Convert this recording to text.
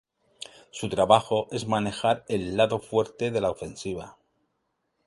Su trabajo es manejar el "lado fuerte" de la ofensiva.